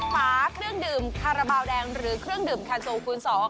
ฝาเครื่องดื่มคาราบาลแดงหรือเครื่องดื่มคันโซคูณสอง